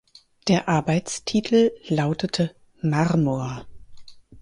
Der Arbeitstitel lautete "Marmor".